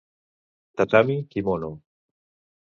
Tatami, quimono...